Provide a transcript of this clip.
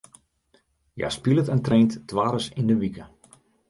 Hja spilet en traint twaris yn de wike.